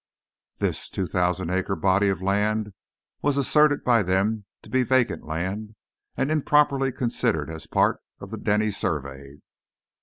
This two thousand acre body of land was asserted by them to be vacant land, and improperly considered a part of the Denny survey.